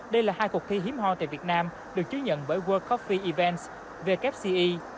đây là hai cuộc thi hiếm hoa tại việt nam được chứa nhận bởi world coffee events vkce